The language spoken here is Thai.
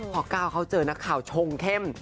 พอก้าวเขาเจอนักข่าวชงเข้ม